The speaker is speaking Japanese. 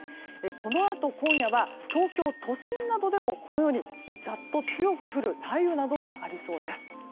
このあと今夜は東京都心などでもこのようにザっと強く降る雷雨などがありそうです。